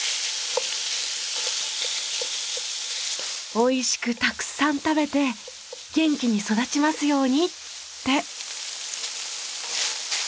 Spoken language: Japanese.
おいしくたくさん食べて元気に育ちますようにって。